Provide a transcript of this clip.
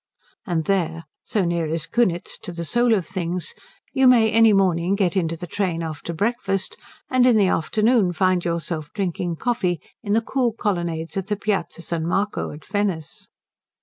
And there, so near is Kunitz to the soul of things, you may any morning get into the train after breakfast and in the afternoon find yourself drinking coffee in the cool colonnades of the Piazza San Marco at Venice.